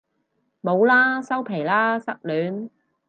冇喇收皮喇失戀